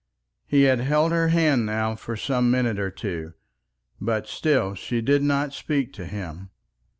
He had held her hand now for some minute or two, but still she did not speak to him.